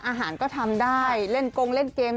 อาหารก็ทำได้เล่นกงเล่นเกม